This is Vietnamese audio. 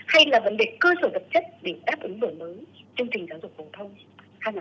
hay là vấn đề cơ sở vật chất để đáp ứng đổi mới chương trình giáo dục phổ thông hai nghìn hai mươi